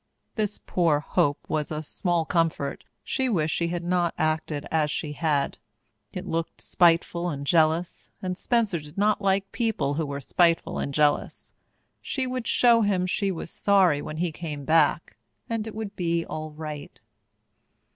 This poor hope was a small comfort. She wished she had not acted as she had. It looked spiteful and jealous, and Spencer did not like people who were spiteful and jealous. She would show him she was sorry when he came back, and it would be all right.